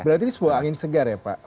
berarti ini sebuah angin segar ya pak